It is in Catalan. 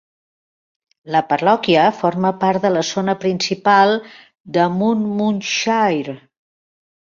La parròquia forma part de la zona principal de Monmouthshire.